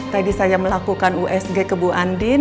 tadi saya melakukan usg ke bu andin